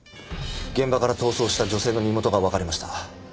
現場から逃走した女性の身元がわかりました。